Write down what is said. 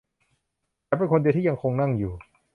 ฉันเป็นคนเดียวที่ยังคงนั่งอยู่